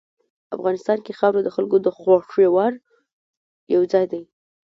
افغانستان کې خاوره د خلکو د خوښې وړ یو ځای دی.